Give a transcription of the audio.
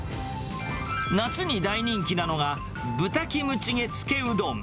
夏に大人気なのが、豚キムチゲつけうどん。